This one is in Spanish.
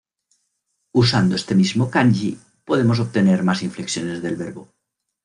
Usando este mismo kanji podemos obtener más inflexiones del verbo.